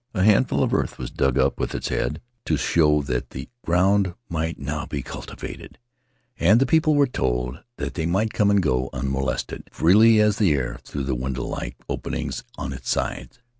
A handful of earth was dug up with its head to show that the ground might now be cultivated, and the people were told that they might come and go un molested, freely as the air through the windowlike openings on its sides.